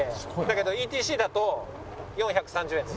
だけどＥＴＣだと４３０円です。